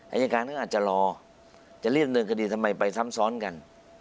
อายการก็อาจจะรอจะเรียกเนินคดีทำไมไปซ้ำซ้อนกัน